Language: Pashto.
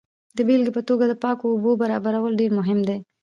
د بیلګې په توګه د پاکو اوبو برابرول ډیر مهم دي.